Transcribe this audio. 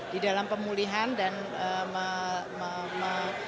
di dalam pemulihan dan